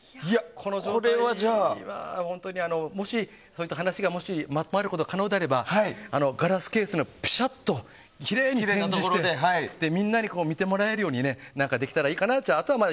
もしそういった話をまとめることが可能であればガラスケースにぴしゃっときれいに展示してみんなに見てもらえるようにできたらいいかなと。